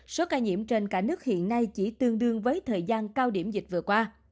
số ca nhiễm trên cả nước hiện nay chỉ tương đương với thời gian cao điểm dịch vừa qua